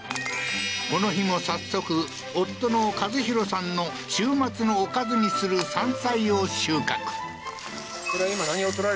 この日も早速夫の一洋さんの週末のおかずにする山菜を収穫こちら